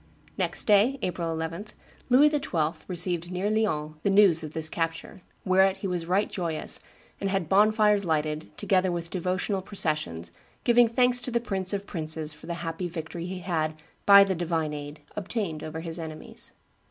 Next day, April 11, Louis XII. received near Lyons the news of this capture, "whereat he was right joyous, and had bonfires lighted, together with devotional processions, giving thanks to the Prince of princes for the happy victory he had, by the divine aid, obtained over his enemies."